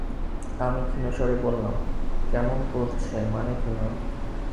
আমি ক্ষীণস্বরে বললাম, কেমন করছে মানে কী মা?